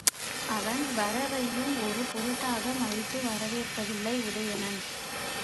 அவன் வரவையும் ஒரு பொருட்டாக மதித்து வரவேற்கவில்லை உதயணன்.